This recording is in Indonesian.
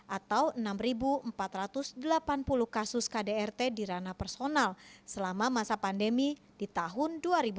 atau enam empat ratus delapan puluh kasus kdrt di ranah personal selama masa pandemi di tahun dua ribu dua puluh